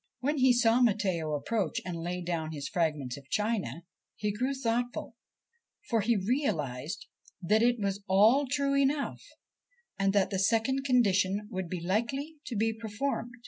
When he saw Matteo approach and lay down his fragments of china, he grew thoughtful, for he realised that it was all true enough, and that the second condition would be likely to be performed.